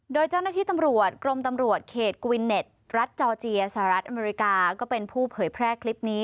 โดยเจ้าหน้าที่ตำรวจกรมตำรวจเขตกุวินเน็ตรัฐจอร์เจียสหรัฐอเมริกาก็เป็นผู้เผยแพร่คลิปนี้